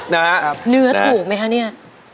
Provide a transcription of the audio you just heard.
เนื้อถูกมั้ยคะเนี่ย